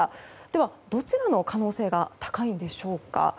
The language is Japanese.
ではどちらの可能性が高いんでしょうか。